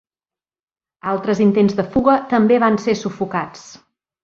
Altres intents de fuga també van ser sufocats.